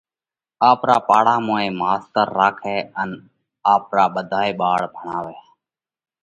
آپرا پاڙا موئين ٿِي ماستر راکئہ ان آپرا ٻڌائي ٻاۯ ڀڻاوئہ۔